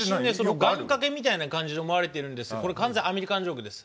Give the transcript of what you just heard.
願かけみたいな感じに思われているんですけど完全にアメリカンジョークです。